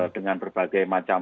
dengan berbagai manfaat